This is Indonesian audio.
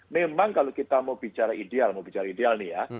memang kalau kita mau bicara ideal mau bicara ideal nih ya